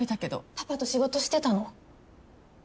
パパと仕事してたの？